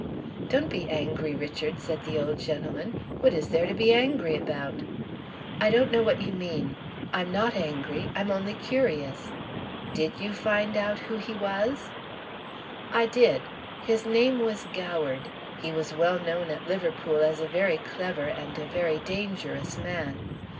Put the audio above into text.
"Don't be angry, Richard." said the old gentleman. "What is there to be angry about?" "I don't know what you mean. I'm not angry I'm only curious. Did you find out who he was?" "I did. His name was Goward. He was well known at Liverpool as a very clever and a very dangerous man.